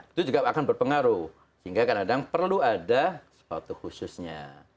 itu juga akan berpengaruh sehingga kadang kadang perlu ada sesuatu khususnya